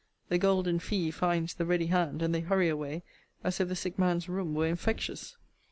The golden fee finds the ready hand, and they hurry away, as if the sick man's room were infectious.